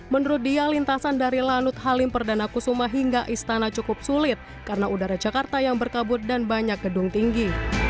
menurut dia lintasan dari lanut halim perdana kusuma hingga istana cukup sulit karena udara jakarta yang berkabut dan banyak gedung tinggi